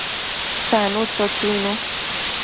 Shanu, cho chuinu